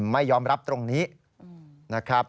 ไม่ยอมรับตรงนี้นะครับ